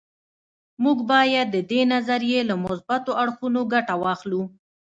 موږ باید د دې نظریې له مثبتو اړخونو ګټه واخلو